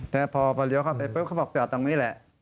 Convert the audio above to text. แต่พอเลี้ยวเข้าไปปุ๊บเขาบอกจอดตรงนี้แหละ